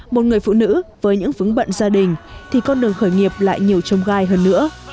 một người phụ nữ với những vững bận gia đình thì con đường khởi nghiệp lại nhiều trông gai hơn nữa